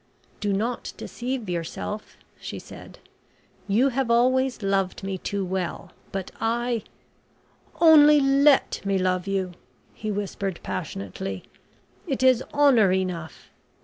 "Do not deceive yourself," she said. "You have always loved me too well but I " "Only let me love you!" he whispered passionately. "It is honour enough.